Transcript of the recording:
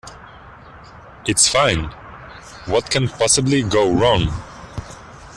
It's fine. What can possibly go wrong?